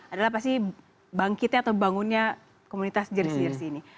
adalah pasti bangkitnya atau bangunnya komunitas jersi jersi ini